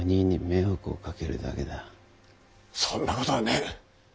そんなことはねぇ。